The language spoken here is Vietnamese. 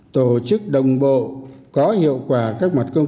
tổ chức đồng bộ có hiệu quả các mặt công